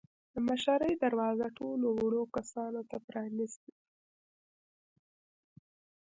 د مشرۍ دروازه ټولو وړو کسانو ته پرانیستې وه.